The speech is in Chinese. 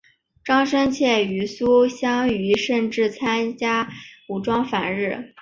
张深切与苏芗雨甚至参加武装反日。